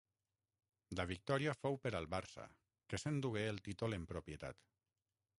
La victòria fou per al Barça que s'endugué el títol en propietat.